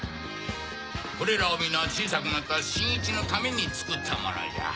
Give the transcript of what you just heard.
これらは皆小さくなった新一のために作ったものじゃ。